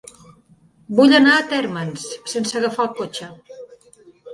Vull anar a Térmens sense agafar el cotxe.